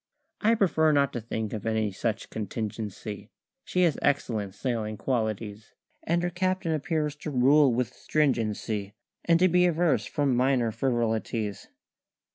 I prefer not to think of any such contingency: She has excellent sailing qualities, And her captain appears to rule with stringency And to be averse from minor frivolities.